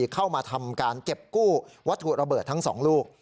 เข้ามาทำการเก็บกู้วัตถุระเบิดทั้ง๒ลูก